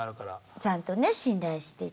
ちゃんとね信頼していただいてね。